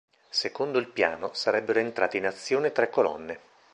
Secondo il piano, sarebbero entrate in azione tre colonne.